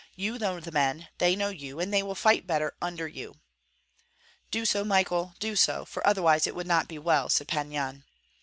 You know the men, they know you, and they will fight better under you." "Do so, Michael, do so, for otherwise it would not be well," said Pan Yan.